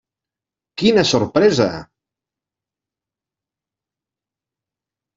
Quina sorpresa!